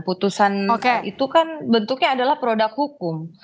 putusan itu kan bentuknya adalah produk hukum